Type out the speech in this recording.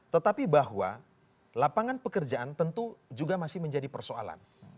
tetapi bahwa lapangan pekerjaan tentu juga masih menjadi persoalan